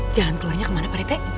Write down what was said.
jalan keluarnya kemana parete